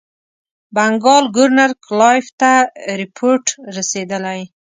بنکال ګورنر کلایف ته رپوټ رسېدلی.